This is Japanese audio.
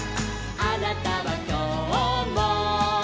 「あなたはきょうも」